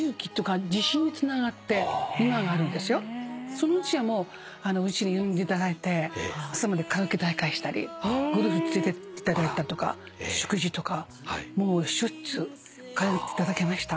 そのうちうちに呼んでいただいて朝までカラオケ大会したりゴルフ連れてっていただいたとか食事とかもうしょっちゅうかわいがっていただきました。